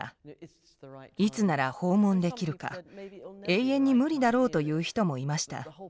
いつなら訪問できるか永遠に無理だろうと言う人もいました。